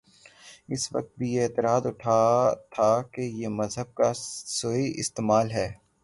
اس وقت بھی یہ اعتراض اٹھا تھاکہ یہ مذہب کا سوئ استعمال ہے۔